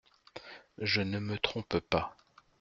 Je ne me trompe pas…